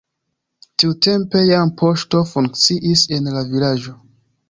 Tiutempe jam poŝto funkciis en la vilaĝo.